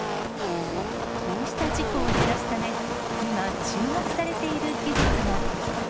こうした事故を減らすため、今、注目されている技術が。